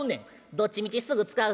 「どっちみちすぐ使う」。